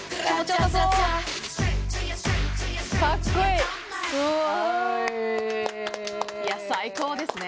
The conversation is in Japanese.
いや最高ですね。